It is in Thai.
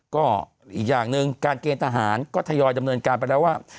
ก็อีกอย่างหนึ่งการเกณฑ์ทหารก็ทยอยดำเนินการไปแล้วว่า